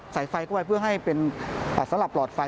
ใส่ไฟไว้ให้เป็นสารับหลอดไฟ